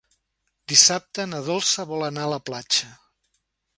Dissabte na Dolça vol anar a la platja.